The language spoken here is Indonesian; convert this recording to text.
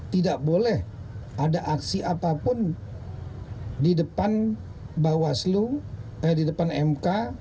tidak boleh ada aksi apapun di depan bawaslu eh di depan mk